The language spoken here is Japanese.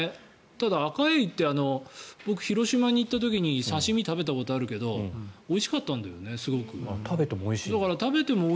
ただアカエイって僕、広島に行った時に刺し身を食べたことあるけどおいしかったんだよね、すごく。